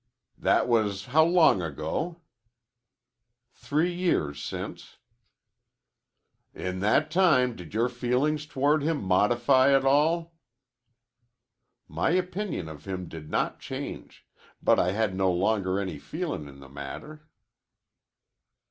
"That was how long ago?" "Three years since." "In that time did your feelings toward him modify at all?" "My opinion of him did not change, but I had no longer any feelin' in the matter."